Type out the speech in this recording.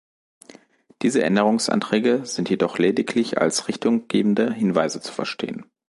Diese Änderungsanträge sind jedoch lediglich als richtunggebende Hinweise zu verstehen.